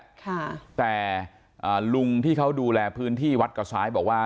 ค่ะแต่อ่าลุงที่เขาดูแลพื้นที่วัดกระซ้ายบอกว่า